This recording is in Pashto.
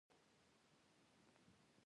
دا هڅونه لا زیاتو فکرونو ته ده.